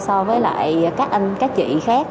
so với lại các anh các chị khác